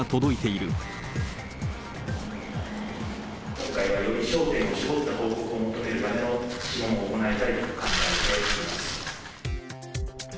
今回はより焦点を絞った報告を求めるための諮問を行いたいと考えています。